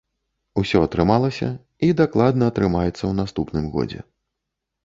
Усё атрымалася, і дакладна атрымаецца ў наступным годзе.